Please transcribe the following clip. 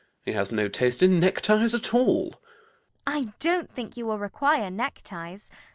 He has no taste in neckties at all. CECILY. I don't think you will require neckties.